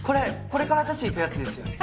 これから出しに行くやつですよね？